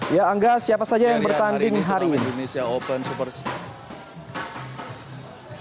ya angga siapa saja yang bertanding hari ini